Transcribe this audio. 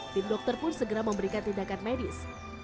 tim dokter pun segera memberikan tindakan medis